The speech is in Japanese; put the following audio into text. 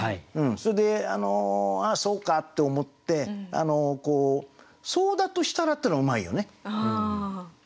それで「ああそうか」って思って「そうだとしたら」っていうのがうまいよね。